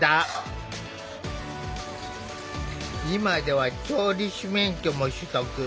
今では調理師免許も取得。